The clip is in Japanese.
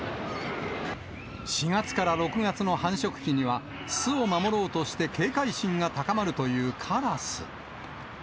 ４月から６月の繁殖期には、巣を守ろうとして警戒心が高まるというカラス。